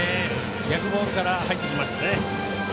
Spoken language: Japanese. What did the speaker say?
逆ボールから入ってきました。